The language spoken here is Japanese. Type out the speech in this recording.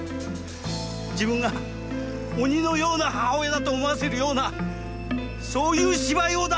自分が鬼のような母親だと思わせるようなそういう芝居をだ！